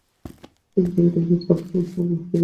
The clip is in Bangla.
কিন্তু আমি কোনদিন কর্ম হইতে ক্ষান্ত হইব না।